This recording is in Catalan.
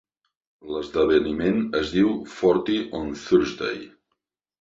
L'esdeveniment es diu Forty on Thursday.